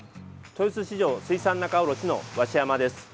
豊洲市場水産仲卸の鷲山です。